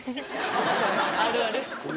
あるある。